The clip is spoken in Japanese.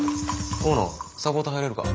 大野サポート入れるか。